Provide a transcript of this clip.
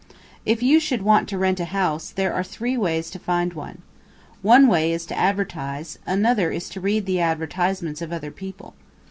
If you should want to rent a house, there are three ways to find one. One way is to advertise; another is to read the advertisements of other people.